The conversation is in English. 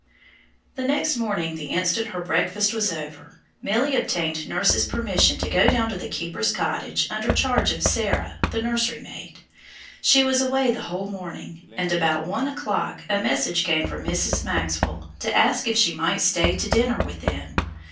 The next morning, the instant her breakfast was over, Milly obtained nurse's permission to go down to the keeper's cottage under charge of Sarah, the nursery maid. She was away the whole morning, and about one o'clock a message came from Mrs. Maxwell to ask if she might stay to dinner with them.